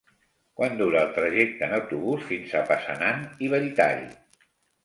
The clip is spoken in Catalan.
Quant dura el trajecte en autobús fins a Passanant i Belltall?